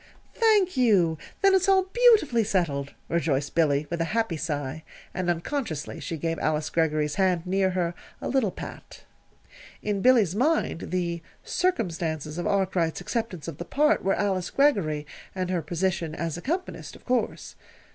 "Thank you! Then it's all beautifully settled," rejoiced Billy, with a happy sigh; and unconsciously she gave Alice Greggory's hand near her a little pat. In Billy's mind the "circumstances" of Arkwright's acceptance of the part were Alice Greggory and her position as accompanist, of course.